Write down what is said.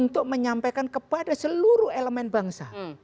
tapi kepada seluruh elemen bangsa